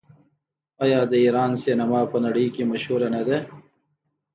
آیا د ایران سینما په نړۍ کې مشهوره نه ده؟